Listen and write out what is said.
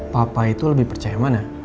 papa itu lebih percaya mana